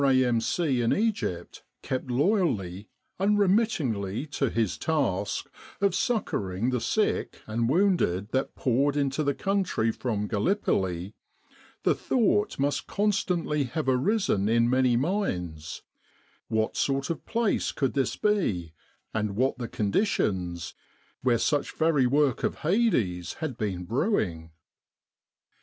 A.M.C. in Egypt kept loyally, unremittingly to his task of succouring the sick and wounded that poured into the country from Gallipoli, the thought must constantly have arisen in many minds: what sort of place could this be, and what the conditions, where such very work of Hades had been brewing